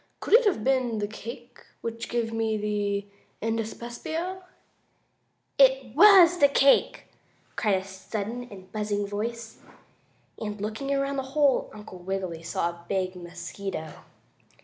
Could it have been the cake which gave me the indyspepsia?" "It was the cake!" cried a sudden and buzzing voice, and, looking around the hole Uncle Wiggily saw a big mosquito.